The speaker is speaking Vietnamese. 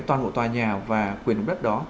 toàn bộ tòa nhà và quyền đồng đất đó